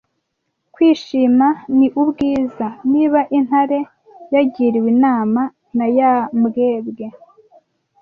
Kwishima ni Ubwiza Niba intare yagiriwe inama na ya mbwebwe